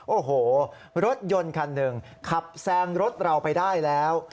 โอ้โหรถยนต์คันหนึ่งขับแซงรถเราไปได้แล้ว